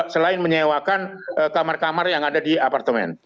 selain menyewakan kamar kamar yang ada di apartemen